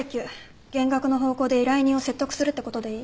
減額の方向で依頼人を説得するってことでいい？